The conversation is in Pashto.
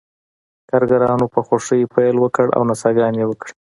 کارګرانو په خوښۍ پیل وکړ او نڅاګانې یې وکړې